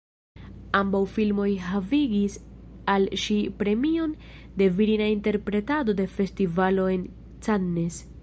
Ambaŭ filmoj havigis al ŝi premion de virina interpretado en Festivalo de Cannes.